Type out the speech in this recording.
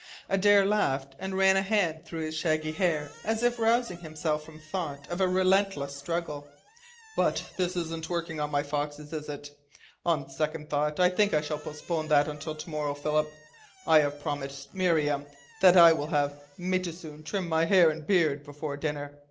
Adare laughed, and ran a hand through his shaggy hair as if rousing himself from thought of a relentless struggle. "But this isn't working on my foxes, is it? On second thought I think I shall postpone that until to morrow, Philip. I have promised Miriam that I will have Metoosin trim my hair and beard before dinner.